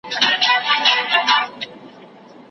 ته به څرنګه سینګار کړې جهاني د غزل توري